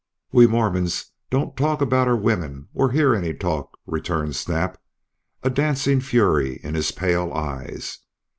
"We Mormons don't talk about our women or hear any talk," returned Snap, a dancing fury in his pale eyes.